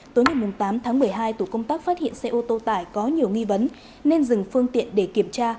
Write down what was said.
tối ngày tám tháng một mươi hai tổ công tác phát hiện xe ô tô tải có nhiều nghi vấn nên dừng phương tiện để kiểm tra